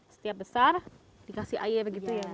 setiap besar dikasih air